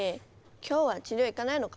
今日は治療行かないのか？